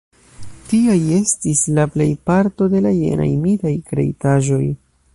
Tiaj estis la plejparto de la jenaj mitaj kreitaĵoj.